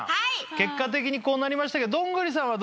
結果的にこうなりましたけどどんぐりさんはどうですか？